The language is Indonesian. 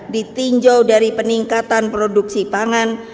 ditinjau dari peningkatan produksi pangan